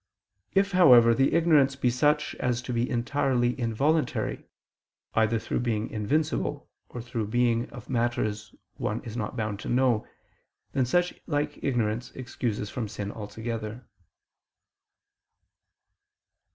If, however, the ignorance be such as to be entirely involuntary, either through being invincible, or through being of matters one is not bound to know, then such like ignorance excuses from sin altogether.